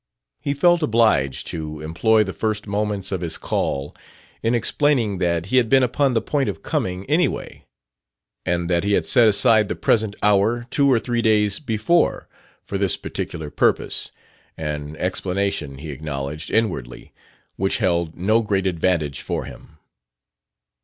He felt obliged to employ the first moments of his call in explaining that he had been upon the point of coming, anyway, and that he had set aside the present hour two or three days before for this particular purpose: an explanation, he acknowledged inwardly, which held no great advantage for him.